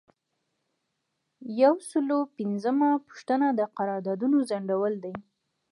یو سل او پنځمه پوښتنه د قرارداد ځنډول دي.